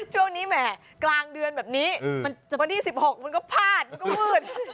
แหมกลางเดือนแบบนี้วันที่๑๖มันก็พลาดมันก็มืด